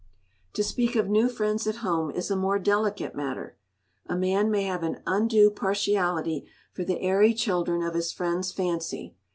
To speak of new friends at home is a more delicate matter. A man may have an undue partiality for the airy children of his friends' fancy.